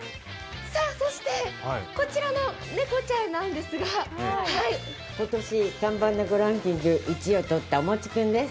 そしてこちらの猫ちゃんなんですが今年看板猫ランキング１位をとったおもち君です。